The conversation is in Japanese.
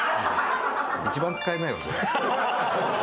一番使えないわ。